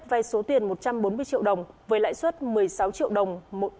vay số tiền một trăm bốn mươi triệu đồng với lãi suất một mươi sáu triệu đồng